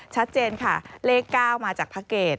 ชัดเจนค่ะเลข๙มาจากพระเกต